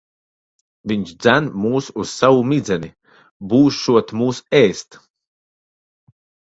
Viņš dzen mūs uz savu midzeni. Būšot mūs ēst.